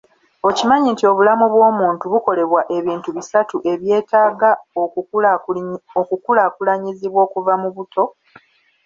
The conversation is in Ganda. Okimanyi nti obulamu bw'omuntu bukolebwa ebintu bisatu ebyetaaga okukulakulanyizibwa okuva mu buto?